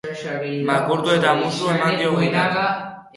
Makurtu eta musu eman dio Gitak.